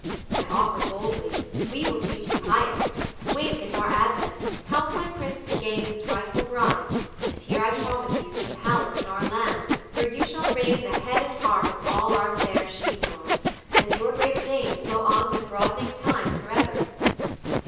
I offer boldly: we will seat you highest: Wink at our advent: help my prince to gain His rightful bride, and here I promise you Some palace in our land, where you shall reign The head and heart of all our fair she world, And your great name flow on with broadening time For ever."